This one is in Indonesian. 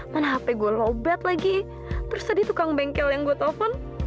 mana hp gue lobat lagi terus tadi tukang bengkel yang gue telfon